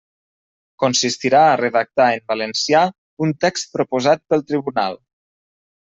Consistirà a redactar en valencià un text proposat pel tribunal.